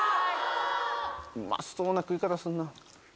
うまそうな食い方するな。